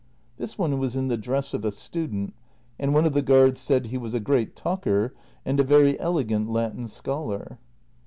This one was in the dress of a student, and one of the guards said he Avas a great talker and a very elegant Latin scholar.